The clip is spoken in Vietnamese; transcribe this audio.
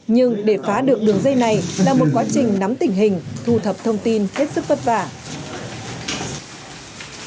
nhưng để phá được đường dây này là một quá trình nắm tình hình thu thập thông tin hết sức vất vả